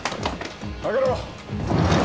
開けろ。